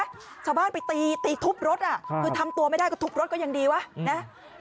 ชาวบ้านไปตีตีทุบรถอ่ะคือทำตัวไม่ได้ก็ทุบรถก็ยังดีวะนะ